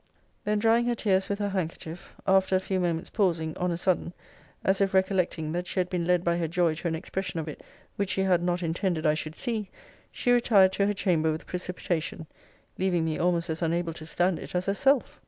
Then drying her tears with her handkerchief, after a few moments pausing, on a sudden, as if recollecting that she had been led by her joy to an expression of it which she had not intended I should see, she retired to her chamber with precipitation; leaving me almost as unable to stand it as herself.